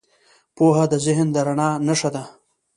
پوهه د ذهن د رڼا نښه ده.